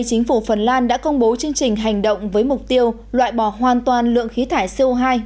chính phủ phần lan đã công bố chương trình hành động với mục tiêu loại bỏ hoàn toàn lượng khí thải co hai